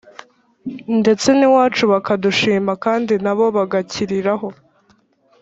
ndetse n'iwacu bakadushima kandi na bo bagakiriraho.